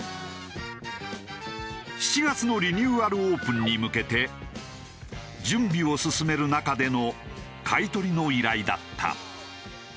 ７月のリニューアルオープンに向けて準備を進める中での買い取りの依頼だった。